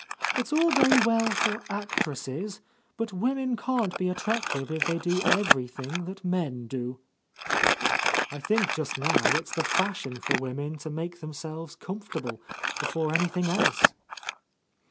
It's all very well for actresses, but women can't be attractive if they do every thing that men do." "I think just now it's the fashion for women to make themselves comfortable, before anything else."